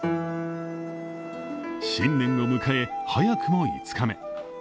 新年を迎え、早くも５日目。